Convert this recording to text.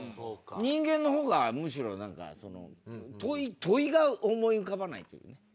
人間の方がむしろなんか問いが思い浮かばないというね。